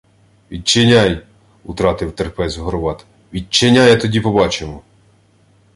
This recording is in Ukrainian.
— Відчиняй! — утратив терпець Горват. — Відчиняй, а тоді побачимо!